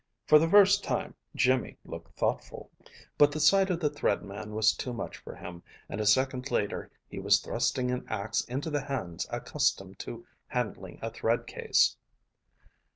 For the first time Jimmy looked thoughtful. But the sight of the Thread Man was too much for him, and a second later he was thrusting an ax into the hands accustomed to handling a thread case.